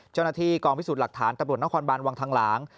เจ้าหน้าที่กองพิสูจน์หลักฐานตำรวจนครบานวังทองหลาง